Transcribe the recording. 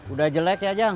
udah jelit ya jang